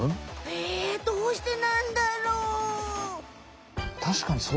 えどうしてなんだろう？